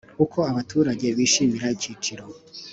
Uko abaturage bishimiye icyiciro